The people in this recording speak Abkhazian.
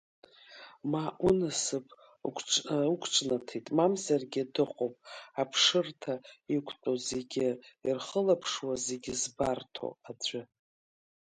Ма унасыԥ уқәҿнаҭит, мамзаргьы, дыҟоуп, аԥшырҭа иқәтәоу зегьы ирхылаԥшуа, зегьы збарҭоу аӡәы.